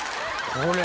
これ。